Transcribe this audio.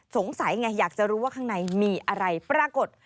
สงสัยไงอยากจะรู้ว่าข้างในมีอะไรปรากฏ